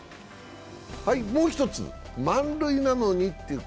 もう１つ、満塁なのにという。